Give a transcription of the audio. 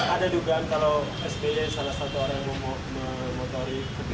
ada dugaan kalau sby salah satu orang yang mengotori